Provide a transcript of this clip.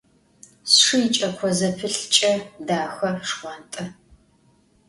Sşşı yiç'eko zepılh ç'e, daxe, şşxhuant'e.